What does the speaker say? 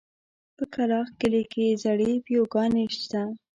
په کلاخ کلي کې زړې پيکوگانې شته.